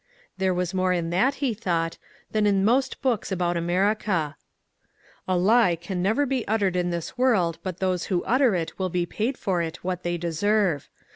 There was more in that, he thought, than in most books about Amer ica. ^* A lie can never be uttered in this world but those who utter it will be paid for it what they deserve.